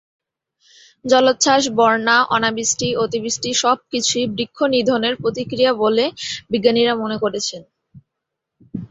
জলোচ্ছাস, বন্যা, অনাবৃষ্টি, অতিবৃষ্টি সব কিছুই বৃক্ষনিধণের প্রতিক্রিয়া বলে বিজ্ঞানীরা মনে করছেন।